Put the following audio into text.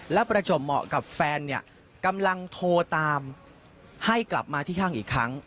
แล้วประจบเหมาะกับแฟนเนี่ยกำลังโทรตามให้กลับมาที่ห้างอีกครั้ง